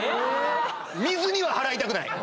水には払いたくない。